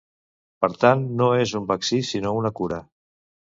Per tant no és un vaccí sinó una cura.